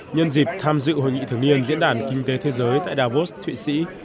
nhân dịp tham dự hội nghị thường niên diễn đàn kinh tế thế giới tại davos thụy sĩ